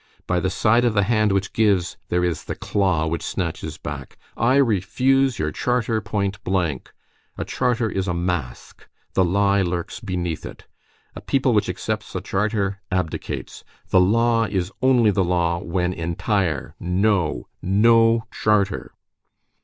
By the side of the hand which gives there is the claw which snatches back. I refuse your charter point blank. A charter is a mask; the lie lurks beneath it. A people which accepts a charter abdicates. The law is only the law when entire. No! no charter!"